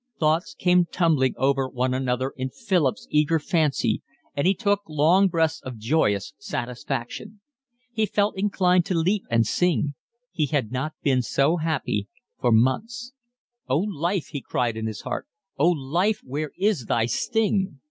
Thoughts came tumbling over one another in Philip's eager fancy, and he took long breaths of joyous satisfaction. He felt inclined to leap and sing. He had not been so happy for months. "Oh, life," he cried in his heart, "Oh life, where is thy sting?"